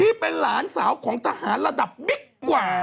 ที่เป็นหลานสาวของทหารระดับบิ๊กกว่า